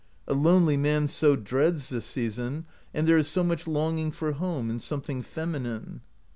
A lonely man so dreads this season, and there is so much longing for home and something fem inine.